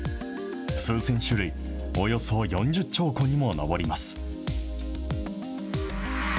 数千種類、およそ４０兆個にも上ります。